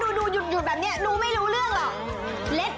แม้ว่าดูหยุดแบบนี้ดูไม่รู้เรื่องหรอก